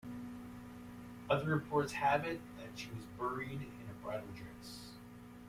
Other reports have it that she was buried in a bridal dress.